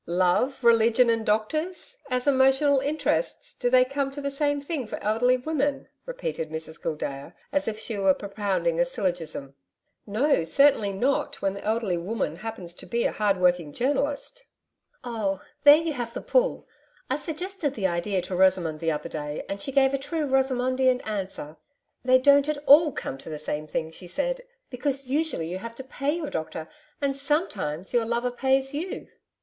'Love, religion and doctors! As emotional interests, do they come to the same thing for elderly women?' repeated Mrs Gildea, as if she were propounding a syllogism. 'No, certainly not, when the elderly woman happens to be a hard working journalist.' 'Oh, there you have the pull I suggested the idea to Rosamond the other day and she gave a true Rosamondian answer. "They don't come at all to the same thing," she said, "because usually you have to pay your doctor and SOMETIMES your lover pays you."